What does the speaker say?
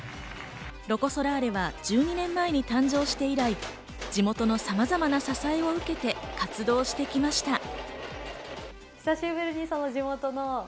ロコ・ソラーレは１２年前に誕生して以来、地元のさまざまな支えを受けて活動してきました。